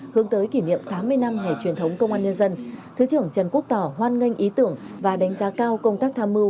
hướng tới kỷ niệm tám mươi năm ngày truyền thống công an nhân dân thứ trưởng trần quốc tỏ hoan nghênh ý tưởng và đánh giá cao công tác tham mưu